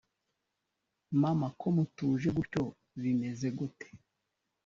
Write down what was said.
mama ko mutuje gutyo bimeze gute?